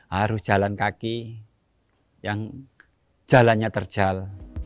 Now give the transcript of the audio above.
harus jalan kaki yang jalannya terjal